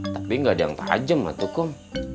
tapi gak ada yang tajam lah tuh kom